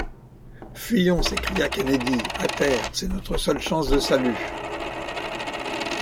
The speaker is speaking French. Fuyons! s’écria Kennedy ! à terre ! c’est notre seule chance de salut !